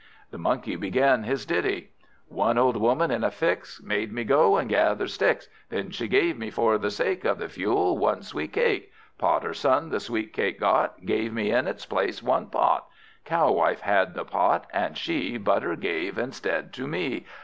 The Monkey began his ditty: "One old Woman, in a fix, Made me go and gather sticks; Then she gave me, for the sake Of the fuel, one sweet cake. Potter's son the sweet cake got, Gave me in its place, one pot. Cow wife had the pot, and she Butter gave instead to me.